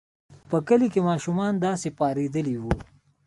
په کلي کې ماشومان داسې پارېدلي وو.